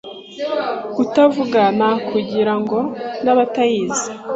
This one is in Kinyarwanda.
kutavuga na kugira ngo n’abatayizi